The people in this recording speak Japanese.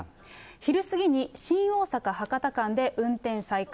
昼過ぎに新大阪・博多間で運転再開。